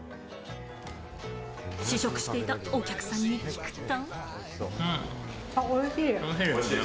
試食していたお客さんに聞くと。